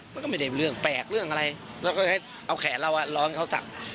มันก็ไม่ได้เรื่องแปลกเรื่องอะไรแล้วก็ให้เอาแขนเราร้อนเขาสัก